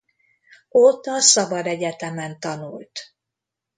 Ott a szabadegyetemen tanult.